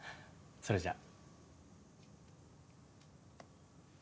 それじゃ。